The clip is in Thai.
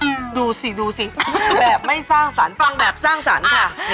ดูสิดูสิแบบไม่สร้างสรรค์ฟังแบบสร้างสรรค์ค่ะ